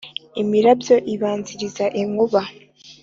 Imirabyo ibanziriza inkuba.